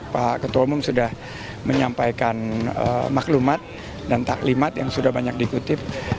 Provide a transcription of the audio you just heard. pak ketua umum sudah menyampaikan maklumat dan taklimat yang sudah banyak dikutip